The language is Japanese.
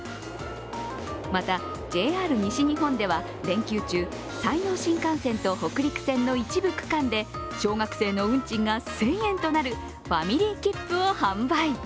また、ＪＲ西日本では連休中山陽新幹線と北陸線の一部区間で小学生の運賃が１０００円となるファミリー切符を販売。